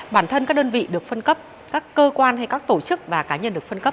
bản thân các đơn vị được phân cấp các cơ quan hay các tổ chức và cá nhân được phân cấp